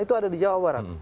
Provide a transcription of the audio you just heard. itu ada di jawa barat